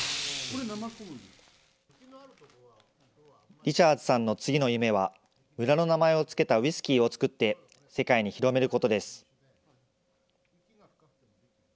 リチャーズさんの次の夢は、村の名前を付けたウイスキーを造って、世界に広めることです。